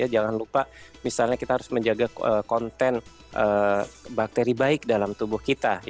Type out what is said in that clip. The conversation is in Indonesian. jangan lupa misalnya kita harus menjaga konten bakteri baik dalam tubuh kita